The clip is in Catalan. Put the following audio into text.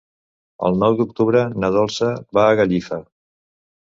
El nou d'octubre na Dolça va a Gallifa.